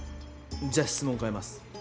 じゃあ質問変えます。